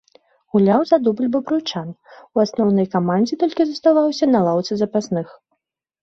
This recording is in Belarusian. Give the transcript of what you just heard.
Гуляў за дубль бабруйчан, у асноўнай камандзе толькі заставаўся на лаўцы запасных.